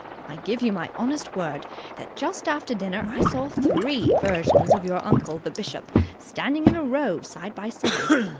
I give you my honest word that just after dinner I saw three versions of your uncle, the bishop, standing in a row side by side.